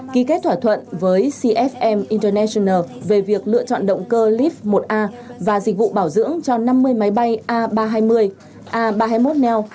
ký kết thỏa thuận với cfm internet về việc lựa chọn động cơ lib một a và dịch vụ bảo dưỡng cho năm mươi máy bay a ba trăm hai mươi a ba trăm hai mươi một neo